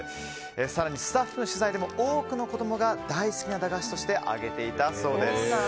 更に、スタッフの取材でも多くの子供が大好きな駄菓子として挙げていたそうです。